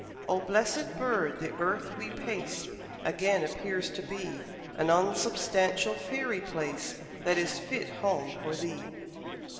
O blessèd Bird! the earth we pace Again appears to be An unsubstantial faery place, That is fit home for Thee!